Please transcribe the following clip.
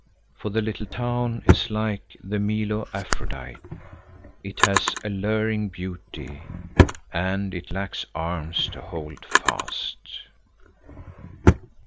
For the little town is like the Milo Aphrodite. It has alluring beauty, and it lacks arms to hold fast.